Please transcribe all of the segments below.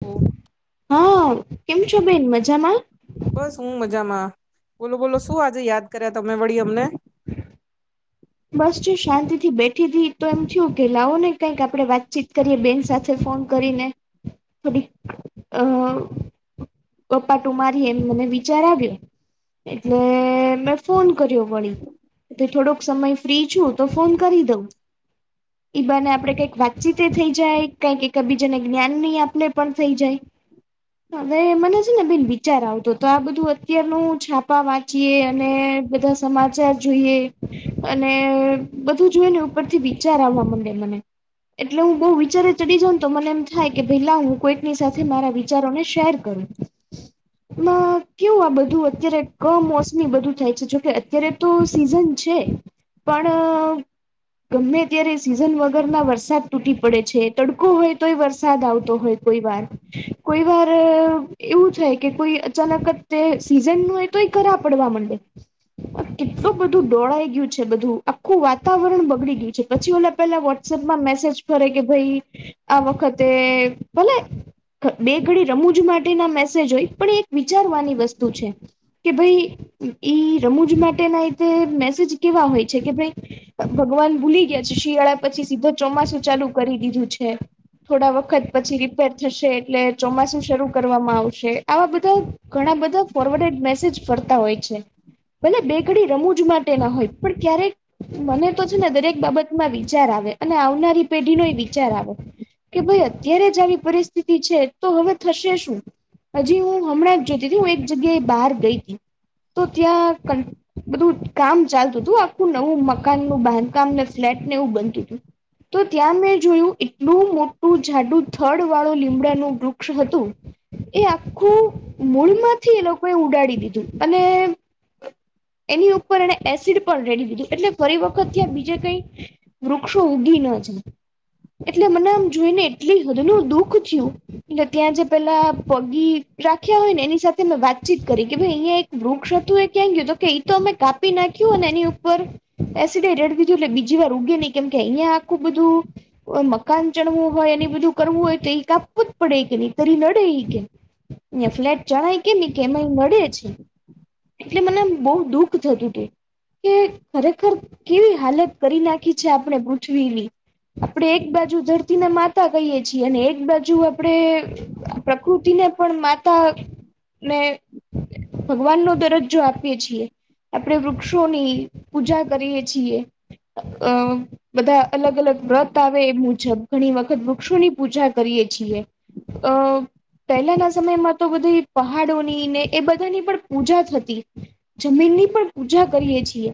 હમ. હા કેમ છો બેન મજામાં. બસ હું મજામાં બોલો બોલો શું આજે યાદ કર્યા તમે વળી અમને હ બસ જો શાંતિ થી બેઠી હતી તો એમ થયું કેે લવો ને કંઈક આપડે વાતચીત કરીએ બેન સાથે ફોન કરીને થોડી અ. પપ્પા ટું મારી એમ મને વિચાર આવ્યું એટલે મેં ફોન કર્યો વળી કે થોડોક સમય ફ્રી છું તો ફોન કરી દઉં. ઈ બાને આપડે કંઈક વાતચીતે થઈ જાય કઈક એક બીજાને જ્ઞાન નહી આપણે પણ થઈ જાય. હવે મને છે ને બેન વિચાર આવતો તો આ બધું અત્યારનું છાપા વા ચી અને બધા સમાચાર જોઈએ. અને બધું જોય ને ઉપરથી વિચાર આવા મડે મને એટલે હું બહુ વિચારે ચડી જાઉં ને તો મને એમ થાય કે ભાઈ લાઉ હું કોઈકની સાથે મારા વિચારોને શેર કરું. ના કેવુ આ બધું અત્યારે કમોસમી બધું થાય છે જોકે અત્યારે તો સિઝન છે પણ ગમે તત્યારે સીઝન વગરમાં વરસાદ તૂટી પડે છે તડકો હોય તોય વરસાદ આવતો હોય. કોઈ વાર કોઈ વાર એવું થાય કે કોઈ અચાનક જ તે સીઝન નુ એક તો એ કરા પડવા મંડે આ કેટલું બધું દોળાઈ ગયું છે બઘુ આખું વાતાવરણ બગડી ગયું છે પછી ઓલા પેલા વોટસપમાં મેસેજ કરરે કે ભઈ આ વખતે ભલે બે ઘડી રમૂજ માટે ના મેસેજ હોય પણ એ એક વિચારવાની વસ્તુ છે. કે ભાઈ ઈ રમૂજ માટે નાતે મેસેજ કેવા હોય છે કે ભાઈ. ભગવાન ભૂલી ગયા છે શિયાળા પછી સીધું ચોમાસું ચાલુ કરી દીધું છે. થોડા વખત પછી રિપેર થશે એટલે ચોમાસું શરૂ કરવામાં આવશે આવા બધા ઘણા બધા ફોરવડેડ મેસેજ કરતા હોય છે ભલે બેકડી રમૂજ માટે ના હોય. પણ ક્યારેક મને તો છે ને દરેક બાબતમાં વિચાર આવે અને આવનારી પેઢીનો વિચાર આવે. કે ભાઈ અત્યારે જ આવી પરિસ્થિતિ છે તો હવે થશે શું. હજી હું હમણાં જ જોતી હું એક જગ્યાએ બહાર ગઈ હતી. તો ત્યાં કં બધું કામ ચાલતું તુ. શું આખું નવું મકાનનું બાંધકામ ફ્લેટ ને એવું બનતું તું. તો ત્યાં મેં જોયું એટલું મોટું જાડું થડ વાળું લીમડાનું વૃક્ષ હતું. એ આખું મૂળમાંથી એ લોકોએ ઉડાડી દીધું અને એની ઉપર એને એસિડ પણ રેડી દીધું એટલે ફરી વખત ત્યાં બીજે કઈ વૃક્ષો ઊભી ન જાય. એટલે મને આમ જોઈને એટલી હધલું દુઃખ થિયું. એટલે ત્યાં જે પેલા પગી રાખ્યા હોય ને એની સાથે મેં વાતચીત કરી કે ભાઈ અહંયા એક વૃક્ષ હતું એ ક્યાં ગયું કે એઈ તો અમે કાપી નાખ્યું ને એની એસડે રડ દીધું એટલે બીજી વાર ઉગે નહી કેમકે અહિયાં આખું બધું કોઈ મકાન ચણવું હોય એની બધું કરવું હોય તો એ કાપવું જ પડે કે નહી તર નડે ઈ કે. ન્યાં ફ્લેટ ચણાય કેમ એમાંય ઈ નડે છે. એટલે મને આમ બહુ દુઃખ થતું તુ. કે ખરેખર કેવી હાલત કરી નાખી છે આપણેે પૃથ્વીની. આપડે એક બાજુ ધરતી ને માતા કહીએ છીએ અને એક બાજુ આપણે પ્રકૃતિને પણ માતા ને ભગવાનનો દરજ્જો આપીએ છીએ આપડે વૃક્ષોની પૂજા કરીએ છીએ અ બધા અલગ-અલગ વ્રત આવે એ મુજબ ઘણી વખત વૃક્ષોની પૂજા કરીએ છીએ. અ. પહેલાના સમયમાં તો બધી પહાડોની ને એ બધાની પણ પૂજા થતી. જમીનની પણ પૂજા કરીએે છીએ.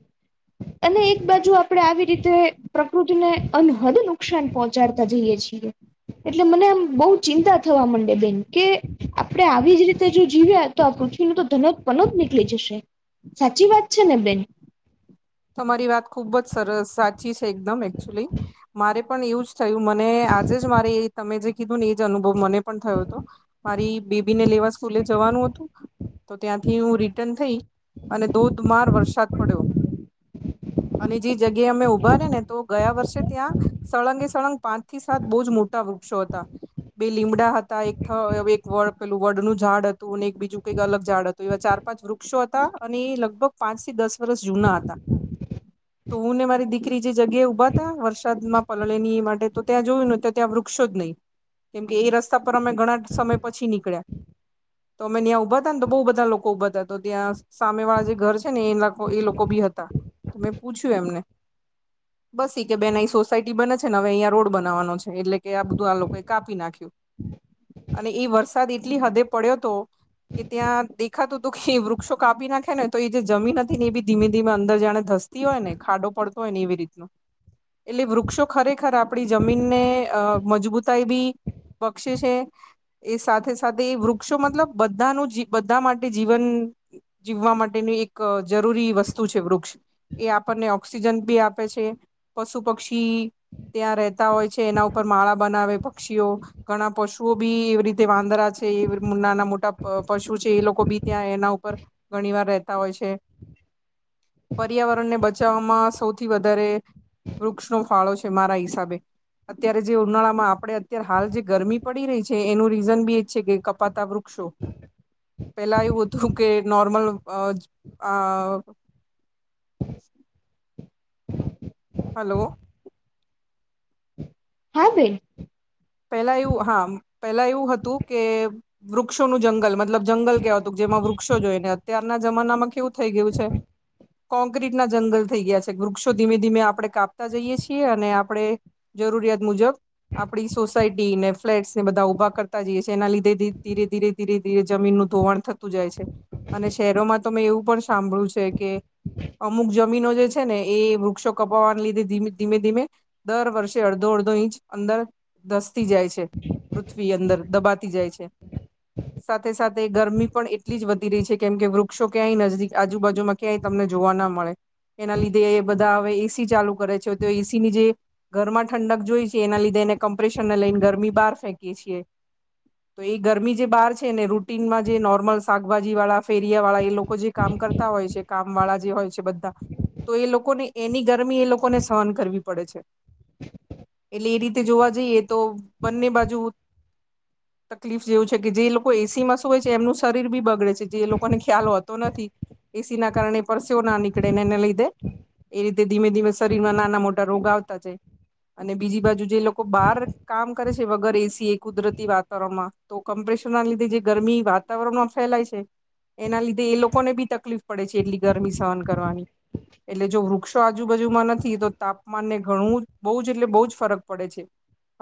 અને એક બાજુ આપણે આવી રીતે પ્રકૃતિને અનહદ નુકસાન પહોંચાડતા જઈએ છીએ. એટલે મને આમ બહુ ચિંતા થવા મંડેલી કે આપણેે આવી જ રીતે જો જીવ્યા તો આ પૃથ્વીણુ તો ધનક પનક નીકળી જશે સાચી વાત છે ને બેન. તમારી વાત ખુબ જ સરસ સાચી છે, એકદમ એકચુલી મારે પણ એવું જ થયું મને આજે જ મારે તમે જે કીધું ને. એજ અનુભવ મને પણ થયો હતો મારી બેબી ને લેવા સ્કૂલે જવાનું હતું તો ત્યાંથી હું રિટર્ન થઈ અને ધોધમાર વરસાદ પડ્યો. અને જે જગ્યાએ અમે ઉભા રે ને તો ગયા વર્ષે ત્યાં સળંગે સળંગ પાંચ થી સાત બહુ જ મોટા વૃક્ષો હતા. બે લીમડા હતા એક એક વડ પેલું વડનું ઝાડ હતું અને એક બીજું કઈક અલગ ઝાડ હતું. તો એવા ચાર પાંચ વૃક્ષો હતા અને લગભગ પાંચ થી દસ વર્ષ જુના હતા. [inaudible] તો હું ને મારી દીકરી જે જગ્યાએ ઉભા તાં વરસાદમાં પલળે ની માટે તો ત્યાં જોયું ને તો ત્યાં વૃક્ષો જ નહીં. કેમ કે એ રસ્તા પર અમે ઘણા સમય પછી નીકળ્યા. તો અમે ન્યાં ઉભા ને તો બહુ બધા લોકો ઉભા હતા તો ત્યાં સામે વાળા જે ઘર છે, ને એ એ લોકો બી હતા. તો મેં પૂછ્યું એમને. બસ કે ઈ કે બેન અહીં સોસાયટી બને છે, ને હવે અહીંયા રોડ બનાવાનો છે, એટલે કે આ બધું આ લોકો એ કાપી નાખે. અને એ વરસાદ એટલી હદે પડ્યો તો, કે ત્યાં દેખાતું હતું કે વૃક્ષો કાપી નાખે ને તો એ જે જમીન હતી ને એ બી ધીમે-ધીમે અંદર જાણે ધસતી હોય ને ખાડો પડતો હોય ને એવી રીતનો. એટલે વૃક્ષો ખરેખર આપડી જમીનને અ મજબૂતાઈ બી. બક્ષે છે. એ સાથે-સાથે એ વૃક્ષો મતલબ બધાનું જી બધા માટે જીવન. જીવવા માટેની એક જરૂરી વસ્તુ છે વૃક્ષ. એ આપણને ઓક્સિજન બી આપે છે, પશુ, પક્ષી ત્યાં રહેતા હોય છે, એના ઉપર માળા બનાવે પક્ષીઓ. ઘણા પશુઓ બી એવી રીતે વાંદરા છે, એ નાના મોટા પશુ છે એ લોકો બી ત્યાં એના ઉપર. ઘણી વાર રહેતા હોય છે. પર્યાવરણને બચાવવામાં સૌથી વધારે વૃક્ષનો ફાળો છે, મારા હિસાબે. અત્યારે જે ઉનાળા માં આપડે અત્યારે હાલ જે ગરમી પડી રહી છે એનું રીઝન બી એ જ છે કે કપાતા વૃક્ષો. [unintelligible] પેલા એવું હતું કે નોર્મલ આ [inaudible] હલો હા બેન. પેલા એવું હા પેલા એવું હતું કે વૃક્ષોનું જંગલ મતલબ જંગલ કેવાતું જેમાં વૃક્ષો જોઈને અત્યારના જમાનામાં કેવું થઈ ગયું છે, કોંક્રીટ ના જંગલ થઈ ગયા છે, વૃક્ષો ધીમે ધીમે આપડણે કાપતા જઈએ છીએ અને આપડણે. જરૂરિયાત મુજબ આપડી. સોસાયટી ને ફ્લેટ્સને બધા ઉભા કરતા જઈએ છીએના લીધે ધીરે ધીરે ધીરે ધીરે જમીનનું ધોવાણ થું. જાય છે અને શહેરોમાં તો મેં એવું પણ સાંભળ્યું છે, કે. અમુક જમીનો જે છે, ને એ વૃક્ષો કપાવવાને લીધે ધીમે ધીમે ધીમે. દર વર્ષે અડધો અડધો ઇંચ અંદર ધસતી જાય છે, પૃથ્વી અંદર. દબાતી જાય છે. [unintelligible] સાથે સાથે ગરમી પણ એટલી જ વધી રહી છે કેમ કે વૃક્ષો ક્યાંય નજીદીક આજુબાજુમાં ક્યાંય તમને જોવા ના મળે. એના લીધે એ બધા હવે એસી ચાલુ કરે છે તો એસીની જે ઘરમાં ઠંડક જોઈ છે એના લીધે એને કમ્પ્રેશનને લઈને ગરમી બાર ફેંકીએ છીએ. તો એ ગરમી જે બાર છે ને રૂટનમાં જે નોર્મલ શાકભાજી વાળા ફેરિયા વાળા એ લોકો જે કામ કર હોય છે કામવાળા જે હોય છે બધાં. તો એ લોકોને એની ગરમી એ લોકોને સહન કરવી પડે છે એટલે એ રીત જોવા જઈએ તો બંને બાજુ તકલીફ જેવું છે કે જે લો કોઈ એસીમાં શું હોય છે એમનું શરીર બી બગડે છે જે લોકોને ખ્યાલ હોતો નથી. એસીના કારણે પરસેઓ ના નીકળે ને એને લીધે. એ રીતે ધીમે ધીમે શરીરમાં નાના મોટા રોગ આવતા જ અને બીજી બાજુ જે લો બાર કામ કરે છે વગર એસી એ કુદરતી વાતાવરણમાં તો કમ્પ્રેશર ના લીધે જે ગરમી વા વાતાવરણમાં ફેલાય છે એના લીધે એ લોકોને બી તકલીફ પડે છે એટલી ગરમી સહન કરવાની. એટલે જો વૃક્ષો આજુબાજુમાં નથી તો તાપમાનને ઘણું બોજ એટલે બોજ ફરક પડે છે.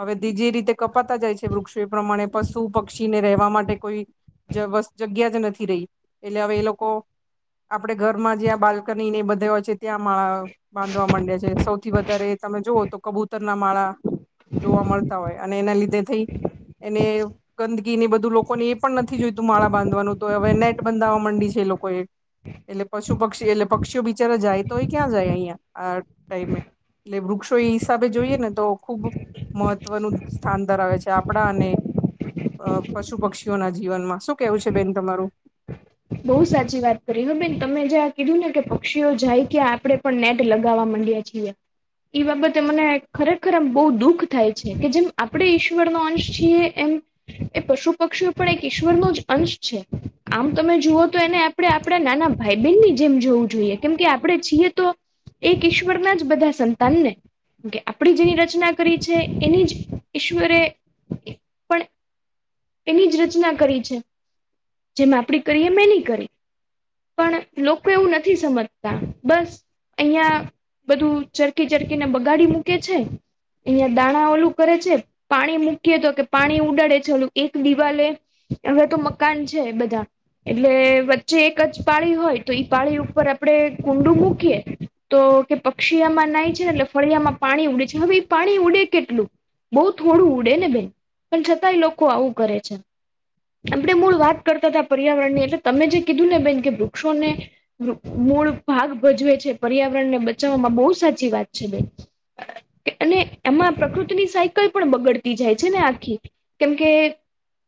હવે તે જે રીતે કપાતા જાય છે વૃક્ષો એ પ્રમાણે પશુ, પક્ષી ને રહેવા માટે કોઈ બસ જગ્યા જ નથી રેય એટલે હવે એ લોકો આપડે ઘરમાં જ્યાં બાલ્કની ને બધે હોય છે. ત્યાં માળા બાંધવા માંડે છે સૌથી વધારે તમે જુઓ તો કબૂતરના માળા. જોવા મલતા હોય અને એના લીધે થી એને ગંદકી ને બધું લોકોને એ પણ નથી જોઈતું માળા બાંધવાનું તો હવે નેટ બંધવા માંડી છે એ લોકોએ. એટલે પશુ, પક્ષી એટલે પક્ષીઓ બિચારા જાય તો ઈ ક્યાં જાય અયાં આ ટાઈમે. એટલે વૃક્ષો એ હિસાબે જોઈએ ને તો ખુબ મહત્વનું સ્થાન ધરાવે છે આપણા અને અ પશુ પક્ષીઓના જીવનમાં શું કેવું છે બેન તમારું? બોઉ સાચી વાત કરી હ બેન તમે જ્યાં કીધું ને કે પક્ષીઓ જાય કે આપડે પણ નેટ લગાવવા માંડ્યા છીએ. એ બાબતે મને ખરેખર આમ બો દુઃખ થાય છે કે જેમ આપણેે ઈશ્વરનો અંશ છીએ એમ એ પશુ પક્ષીઓ પણ એક ઈશ્વરનો જ અંશ છે. આમ તમે જુઓ તો એને આપણે આપડા નાના ભાઈ બેનની જેમ જોવું જોઈએ કેમ કે આપડે છીએ તો એક ઈશ્વરના જ બધા સંતાન ને. કે આપણી જેની રચના કરી છે એની જ ઈશ્વરે પણ એની જ રચના કરી છે જેમ આપણી કરીએ મેની કરી. પણ લોકો એવું નથી સમજતા બસ. અહીંયા બધું ચરકી ચરકી ને બગાડી મૂકે છે. અહિયાં દાણા ઓલું કરે છે પાણી મૂકીએ તો કે પાણી ઉડાડે છે ઓલું એક દિવાલે હવે તો મકાન છે બધાં. એટલે વચ્ચે એક જ પાળી હોય તો ઈ પાળી ઉપર આપણે કુંડું મૂકીએ. તો કે પક્ષી આમાં નાઈ છે ને એટલે ફળિયામાં પાણી ઉડે છે હવે એ પાણી ઉડે કેટલું. બોઉ થોડું ઉડે ને બેન પણ છતાંય લોકો આવું કરે છે. આપણે મૂળ વાત કરતા તા પર્યાવરણની એટલે તમે જે કીધું ને બેન કે વૃક્ષોને મૂળ ભાગ ભજવે છે પર્યાવરણ ને બચાવવામાં બો સાચી વાત છે બેન. અને એમાં પ્રકૃતિની સાયકલ પણ બગડતી જાય છે ને આખી. કેમકે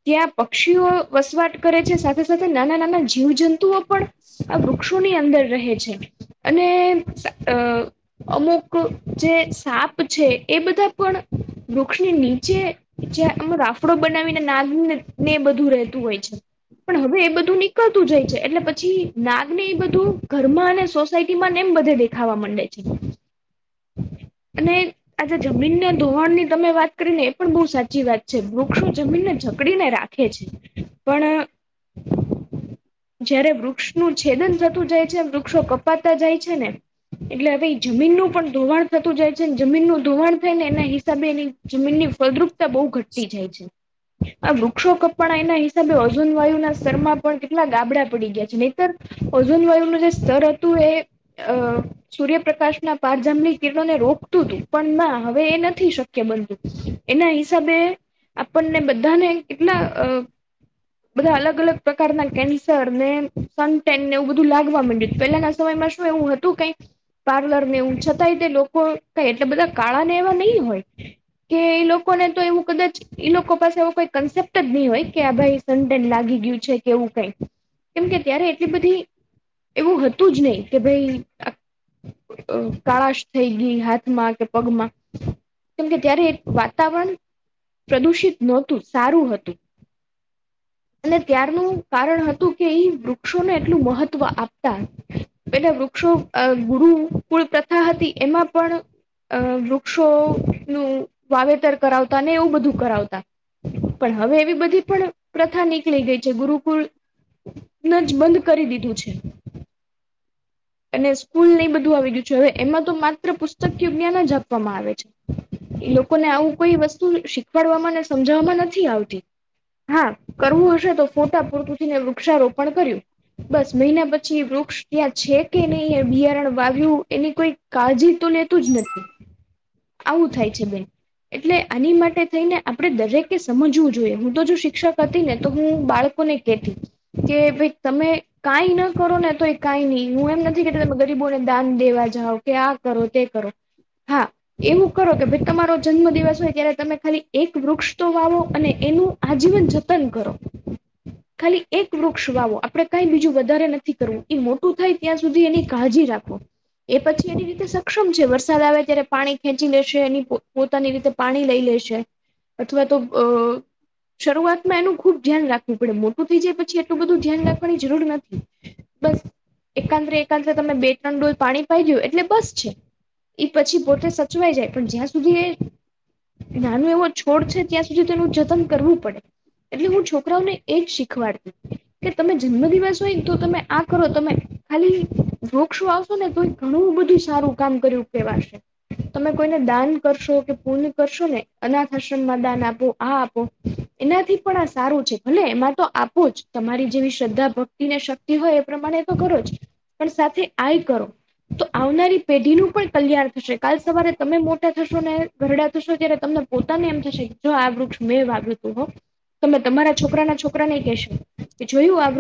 ત્યાં પક્ષીઓ વસવાટ કરે છે સા સાથે સાથે નાના નાના જીવજંતુઓ પણ આ વૃક્ષોની અંદર રહે છે. અને અ અમુક જે સાપ છે. એ બધાં પણ વૃક્ષની નીચે જે અમ રાફડો બનાવીને નાગ ને ને બધું રહેતું હોય છે. પણ હવે એ બધું નીકળતું જાય છે એટલે પછી નાગને એ બધું ઘરમાં અને સોસાયટીમાં નેમ બધે દી ખાવા માંડે છે અને આજે જમીનના ધોવાણની તમે વાત કરી ને એ પણ બો સાચી વાત છે વૃક્ષો જમીનને જકડીને રા છે પણ જયારે વૃક્ષનું છેદન થતું જાય છે વૃક્ષો કપાતા જાય છે ને. એટલે હવે જમીનનુંું પણ ધોવાણ થતું જાય છેને જમીનનું ધોવાણ થાય ને એના હિસાબે એની જમીનની ફળદ્રુપતા બહુ ઘટી જાય છે આ વૃક્ષો કપડા એના હિસાબે ઓજુન વાયુ ના સ્તરમાં પણ કેટલા ગાબડા પડી ગયા છે નહીતર ઓજુન વાયુનું જે સ્તર હતું એ અ સૂર્યપ્રકાશના પાંચજામની કિરણો ને રોકતું હતું પણ ના હવે એ નથી શકત બ એના હિસાબે આપણને બધાને કેટલા અ બધા અલગ અલગ પ્રકારના કેન્સર ને સનનને એવું બધું લાગવા માંડ્યું પેલાના સમયમાં શું એવું હતું. તું કઈક પાર્લર ને એવું છતાંય તે લોકો ક એટલા બધા કાળા ને એવા નહીં હોય. કે એ લોકોને તો એવું કદાચ એ લોકો પાસે એવ કોઈ કન્સેપ્ટ જ નહી હોય કે આ ભાઈ લાગી ગયું છે કે એવું કઈ કેમ કે ત્યારે એટલી બધી એવું હતું જ નહી કે ભાઈ કાળાશ થઈ ગઈ હાથમાં કે પગમાં. કેમકે ત્યારે વાતાવરણ પ્રદુષિત નહોતું સારું હતું. અને ત્યારનું કારણ હતું કે ઈ વૃક્ષોને એટલું મહત્વ આપતા એલે વૃક્ષો ગુરુકુળ પ્રથા હતી એમાં પણ અ વૃક્ષો નું વાવેતર કરાવતા ને એવું બધું કરાવતા. પણ હવે એવી બધી પણ પ્રથા નીકળી ગઈ છે ગુરુકુળ જ બંધ કરી દીધું છે. અને સ્કૂલ નહી બધું આવી ગયું છે હવે એમાં તો માત્ર પુસ્તક ય જ્ઞાન જ આપવામાં આવે છે. લોકોને આવું કોઈ વસ્તુ શીખવાડવામાં ને સમજવામાં નથી આવતી. હા કરવું હશે તો ફોટા પૂરતું થઈને વૃક્ષારોપણ કર્યું. બસ મહિના પછી વૃક્ષ ત્યાં છે કે નહી બિયારણ વાવ્યું એની કોઈ કાળજી તો લેતું જ નથી આવું થાય છે બેન એટલે આની માટે થઈને આપડે દરેકે સમજવું જોઈએ હું તો જો શ શિક્ષક હતી ને તો હું બાળકો ને કેતી હતી. કે ભાઈ તમે કાઈ ન કરો ને તો એ કાઈ નહી હું એમ નથી કે તમે ગરીબોને દાન દેવા જાવ. કે આ કરો તે કરો હા એવું કરો કે ભાઈ તમારો જન્મ દિવસ હોય ત્યારે તમે ખાલી એક વૃક્ષ તો વાવો અને એનું આજ જીવન જતન કરો ખાલી એક વૃક્ષ વાવો આપડે કઈ બીજું વધારે નથી કરવું ઈ મોટું થાય. ત્યાં સુધી એની કાળજી રાખો. એ પછી એની રીતે સક્ષમ છે વરસાદ આવે ત્યારે પાણી ખેંચી લેશે એની પોતાની રીતે પાણી લઈ લેશે અથવા તો અ શરૂઆતમાં એનું ખુબ ધ્યાન રાખવું પડે મોટું થઇ જાય પછી એટલું બધું ધ્યાન રાખવાની જરૂર નથી બસ એકાંતરે એકાંતરે તમે બે ત્રણ ડોલ પાણી પાઇ ગયો એટલે બસ છે એ પછી પોતે સચવાઈ જાય પણ જ્યાં સુધી એ નાનું એવો છોડ છે ત્યાં સુધી તેનું જતન કરવું પડે એટલે હું છોકરાઓને એ જ શીખવાડતી કે તમે જન્મ દિવસ હોય તો તમે આ કરો તમે ખાલી વૃક્ષો આવશો ને તો એ ઘણું બધું સારું કામ કર્યું કેહેવાશે તમે કોઈને દાન કરશો કે પૂણ કરશો ને અનાથ આશ્રમમાં દાન આપો આ આપો એનાથી પણ આ સારું છે ભલે એમાં તો આપો જ તમારી જેવી શ્રદ્ધા ભક્તિ ને શક્તિ હોય એ પ્રમાણે તો કરો જ પણ સાથે આઈ કરો તો આવનારી પેઢી નું પણ કલ્યાણ થશે કાલ સવારે તમે મોટા થશો ને ગરડા થશો જ્યારે તમને પોતાની એમ તો શીખજો આ વૃક્ષ મેૃ તમે તમારા છોકરા ના છોકરા નને કશો કે જોયું આ વૃક્ષ